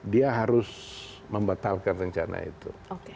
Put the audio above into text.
dia harus membatalkan rencana itu